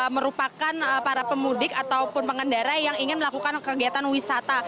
merupakan para pemudik ataupun pengendara yang ingin melakukan kegiatan wisata